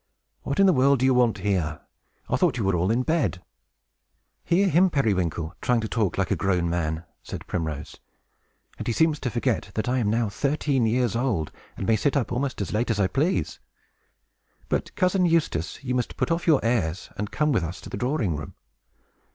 "What in the world do you want here? I thought you were all in bed!" "Hear him, Periwinkle, trying to talk like a grown man!" said Primrose. "And he seems to forget that I am now thirteen years old, and may sit up almost as late as I please. But, Cousin Eustace, you must put off your airs, and come with us to the drawing room.